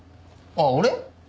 あっ俺？